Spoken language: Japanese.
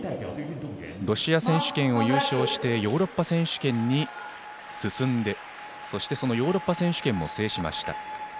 ロシア選手権を優勝してヨーロッパ選手権に進んでそしてそのヨーロッパ選手権も制しました。